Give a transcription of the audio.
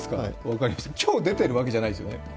今日出てるわけじゃないですよね。